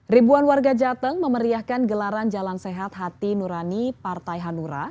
ribuan warga jateng memeriahkan gelaran jalan sehat hati nurani partai hanura